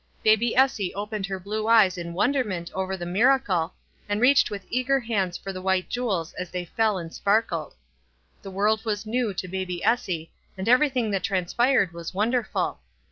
Baby Essie opened her blue eyes in wonderment over the miracle, and reached with eager hands after the white jewels as they fell and sparkled. The world was new to baby Essie, and everything that transpired was wonderful.